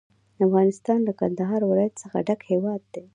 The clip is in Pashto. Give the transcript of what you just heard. افغانستان له کندهار ولایت څخه ډک هیواد دی.